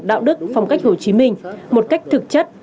đạo đức phong cách hồ chí minh một cách thực chất